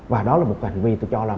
và đó là một hành vi tôi cho là